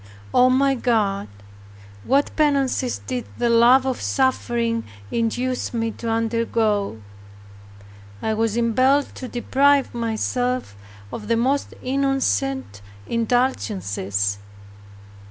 O my God, what penances did the love of suffering induce me to undergo! I was impelled to deprive myself of the most innocent indulgences.